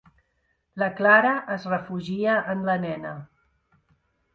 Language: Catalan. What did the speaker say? La Clara es refugia en la nena.